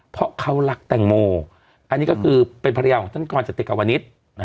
เพราะเขารักแตงโมอันนี้ก็คือเป็นภาระยาวของต้นกรจัดติดกรรวณิต